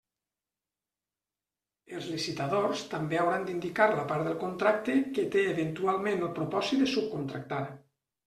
Els licitadors també hauran d'indicar la part del contracte que té eventualment el propòsit de subcontractar.